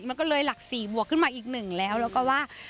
มันก็เลยหลัก๔บวกขึ้นมาอีกหนึ่งแล้วแล้วก็ว่า